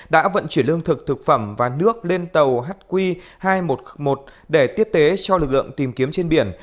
đã vận chuyển lương thực thực phẩm và nước lên tàu hq hai trăm một mươi một để tiếp tế cho lực lượng tìm kiếm trên biển